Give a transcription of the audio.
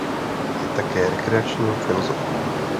Je také rekreačním filosofem.